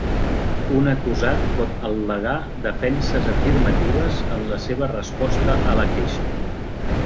Un acusat pot al·legar defenses afirmatives en la seva resposta a la queixa.